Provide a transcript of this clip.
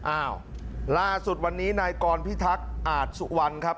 อ้าวล่าสุดวันนี้นายกรพิทักษ์อาจสุวรรณครับ